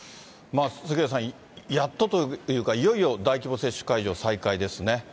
杉上さん、やっとというか、いよいよ大規模接種会場、再開ですね。